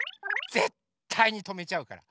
ぜったいにとめちゃうから。